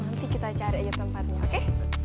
nanti kita cari aja tempatnya oke